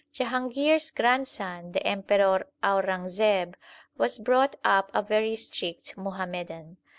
Jahangir s grandson the Emperor Aurangzeb was brought up a very strict Muhammadan.